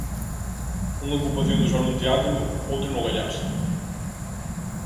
Unha ocupación do Salón Teatro, outra no Gaiás.